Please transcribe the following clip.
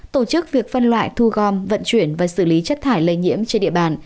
tổ chức việc phân loại thu gom vận chuyển và xử lý chất thải lây nhiễm trên địa bàn